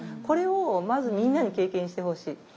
これをまずみんなに経験してほしい。